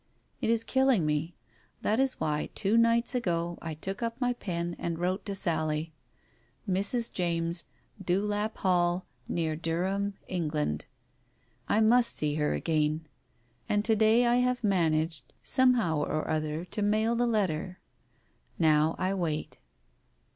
It is killing me. That is why two nights ago I took up my pen and wrote to Sally. Mrs. James, Dewlap Hall, near Durham, England. I must see her again. And to day I have managed somehow or other to mail the letter. Now I wait.